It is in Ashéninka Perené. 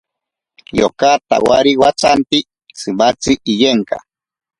Yoka tawari watsanti tsimatzi iyenka.